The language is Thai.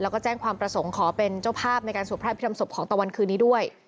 แล้วก็แจ้งความประสงค์ขอเป็นเจ้าภาพในการสวดพระพิธรรมศพของตะวันคืนนี้ด้วย